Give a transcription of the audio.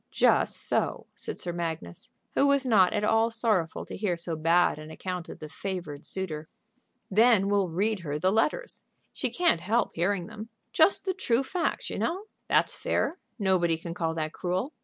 "Just so," said Sir Magnus, who was not at all sorrowful to hear so bad an account of the favored suitor. "Then we'll read her the letters. She can't help hearing them. Just the true facts, you know. That's fair; nobody can call that cruel.